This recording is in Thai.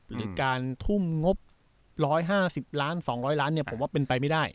หรือการทุ่มงบ๑๕๐ล้าน๒๐๐ล้านผมว่าเป็นไปไม่ได้